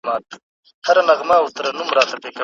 مبارزه یې نوره هم سخته سوه